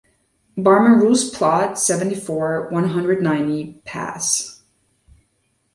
Barmerousse plot, seventy-four, one hundred ninety, Passe